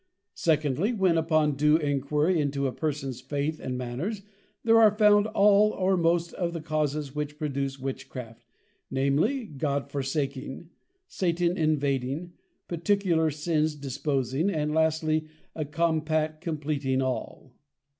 Secondly, When upon due Enquiry into a person's Faith and Manners, there are found all or most of the Causes which produce Witchcraft, namely, God forsaking, Satan invading, particular Sins disposing; and lastly, a compact compleating all.